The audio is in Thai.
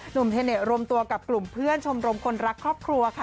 เทเนสรวมตัวกับกลุ่มเพื่อนชมรมคนรักครอบครัวค่ะ